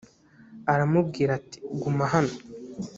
aramubwira ati guma hano